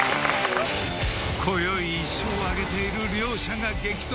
今宵１勝を挙げている両者が激突。